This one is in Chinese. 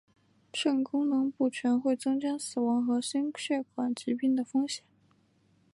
肾功能不全会增加死亡和心血管疾病的风险。